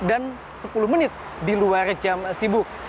dan sepuluh menit di luar jam sibuk